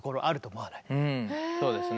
うんそうですね。